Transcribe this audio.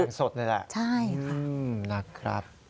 อย่างสดนี่แหละนักครับ